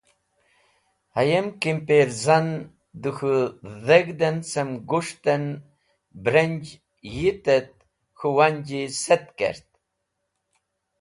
Hayem kimpirzan dẽ k̃hũ deg̃hd en cem gus̃ht et brenj yit et k̃hũ wanji setk kerti.